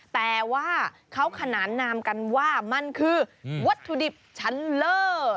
แต่ว่าเขาขนานนามกันว่ามันคือวัตถุดิบชั้นเลอร์